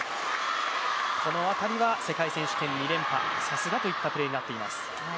この辺りは世界選手権２連覇、さすがといったプレーになっています。